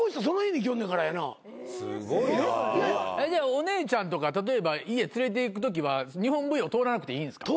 お姉ちゃんとか例えば家連れていくときは日本舞踊通らなくていいんですか？